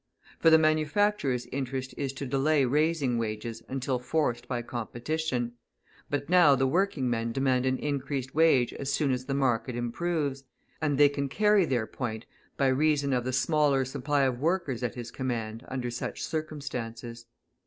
For the manufacturer's interest is to delay raising wages until forced by competition, but now the working men demand an increased wage as soon as the market improves, and they can carry their point by reason of the smaller supply of workers at his command under such circumstances.